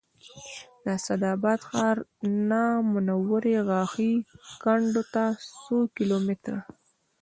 د اسداباد ښار نه منورې غاښي کنډو ته څو کیلو متره